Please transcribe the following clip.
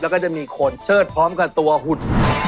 แล้วก็จะมีคนเชิดพร้อมกับตัวหุ่น